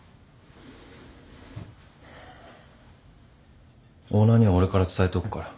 オーナーには俺から伝えとくから。